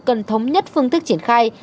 cần thống nhất phương thức triển khai